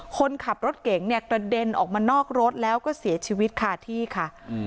คนขับรถเก๋งเนี่ยกระเด็นออกมานอกรถแล้วก็เสียชีวิตคาที่ค่ะ